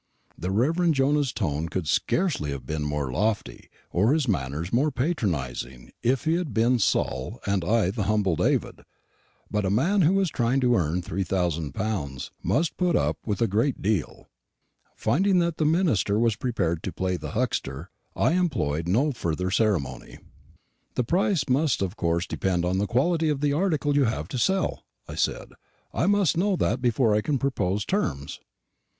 The Rev. Jonah's tone could scarcely have been more lofty, or his manner more patronising, if he had been Saul and I the humble David; but a man who is trying to earn three thousand pounds must put up with a great deal. Finding that the minister was prepared to play the huckster, I employed no further ceremony. "The price must of course depend on the quality of the article you have to sell," I said; "I must know that before I can propose terms."